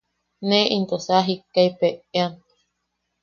Ne into sa jikkaipeʼean.